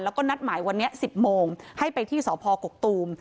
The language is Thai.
แล้วก็นัดหมายวันนี้๑๐โมงให้ไปที่สพกกตูม